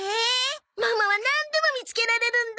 ママはなんでも見つけられるんだ。